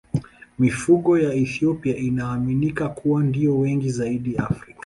Mifugo ya Ethiopia inaaminika kuwa ndiyo wengi zaidi Afrika.